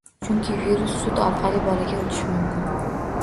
Chunki virus sut orqali bolaga o`tishi mumkin